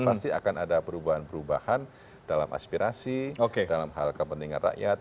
pasti akan ada perubahan perubahan dalam aspirasi dalam hal kepentingan rakyat